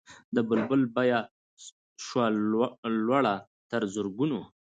د بلبل بیه سوه لوړه تر زرګونو